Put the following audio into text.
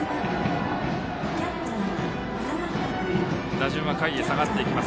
打順は下位へ下がっていきます。